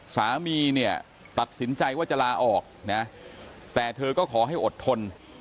สามีเนี่ยตัดสินใจว่าจะลาออกนะแต่เธอก็ขอให้อดทน